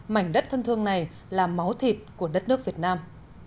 mảnh đất thân thương này là máu thịt của đất nước việt nam